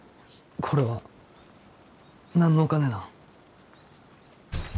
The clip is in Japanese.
これは何のお金なん？